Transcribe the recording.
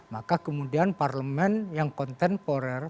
maka kemudian parlemen yang kontemporer